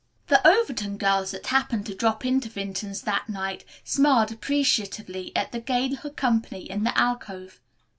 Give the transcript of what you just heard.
The Overton girls that happened to drop into Vinton's that night smiled appreciatively at the gay little company in the alcove.